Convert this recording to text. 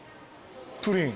プリン。